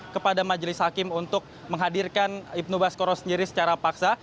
kepada majelis hakim untuk menghadirkan ibnu baskoro sendiri secara paksa